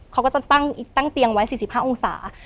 เขาก็จะตั้งเตียงไว้๔๕องศา